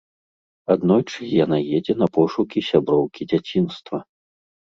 Аднойчы яна едзе на пошукі сяброўкі дзяцінства.